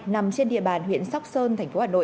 nằm trên địa bàn huyện sóc sơn tp hà nội